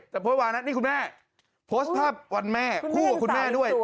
แต่โพสต์วันนั้นนี่คุณแม่โพสต์ภาพวันแม่คู่กับคุณแม่ด้วย